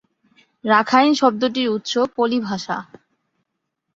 Rakhine শব্দটির উৎস পলি ভাষা।